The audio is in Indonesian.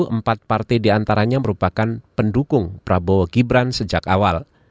empat partai diantaranya merupakan pendukung prabowo gibran sejak awal